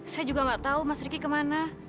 saya juga nggak tahu mas riki ke mana